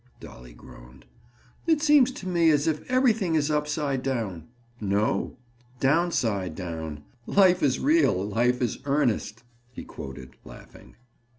Dolly groaned. "It seems to me as if everything is upside down." "No. Downside down. 'Life is real; life is earnest,'" he quoted, laughing.